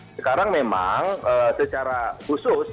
sekarang memang secara khusus